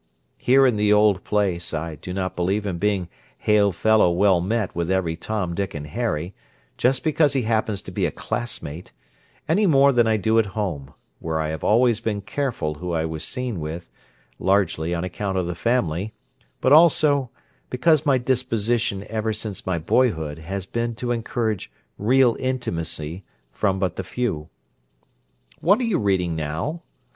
Here in the old place I do not believe in being hail fellow well met with every Tom, Dick, and Harry just because he happens to be a classmate, any more than I do at home, where I have always been careful who I was seen with, largely on account of the family, but also because my disposition ever since my boyhood has been to encourage real intimacy from but the few. What are you reading now?